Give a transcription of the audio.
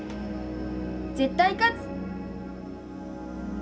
絶対勝つ！